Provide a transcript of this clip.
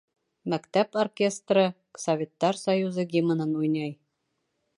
Мәктәп оркестры Советтар Союзы Гимнын уйнай.